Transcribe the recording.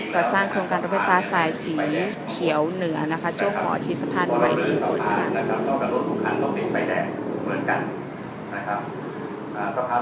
กระสร้างโครงการรถไฟปลาทรายสีเขียวเหนือนอากาศโชครอาชีสภาพไหน